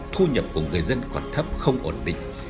thu nhập của người dân còn thấp không ổn định